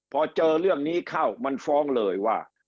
พอเจอเรื่องนี้เข้ามันฟ้องเลยว่า